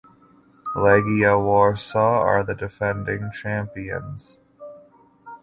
Legia Warsaw are the defending champions.